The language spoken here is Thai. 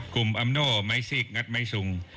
กลุ่มอำโนไม้สิกงัดไม้สุง